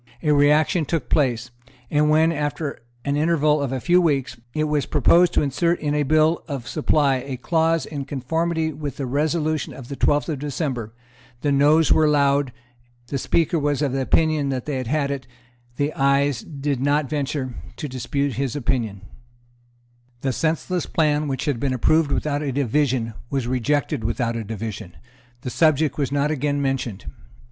A reaction took place; and when, after an interval of a few weeks, it was proposed to insert in a bill of supply a clause in conformity with the resolution of the twelfth of December, the Noes were loud; the Speaker was of opinion that they had it; the Ayes did not venture to dispute his opinion; the senseless plan which had been approved without a division was rejected without a division; and the subject was not again mentioned.